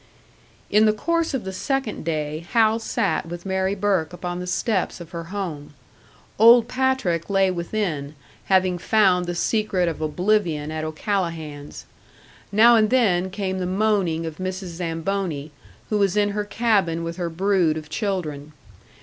In the course of the second day Hal sat with Mary Burke upon the steps of her home. Old Patrick lay within, having found the secret of oblivion at O'Callahan's. Now and then came the moaning of Mrs. Zamboni, who was in her cabin with her brood of children.